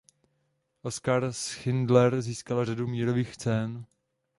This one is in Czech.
Oskar Schindler získal řadu mírových cen.